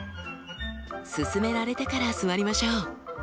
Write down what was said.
勧められてから座りましょう。